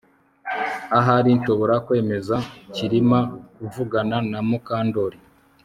Ahari nshobora kwemeza Kirima kuvugana na Mukandoli